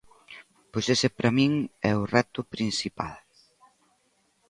Pois ese para min é o reto principal.